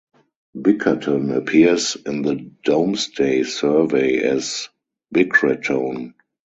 Bickerton appears in the Domesday survey as "Bicretone".